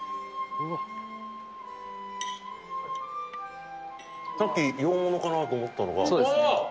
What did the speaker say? うわさっき洋ものかなと思ったのがわあ！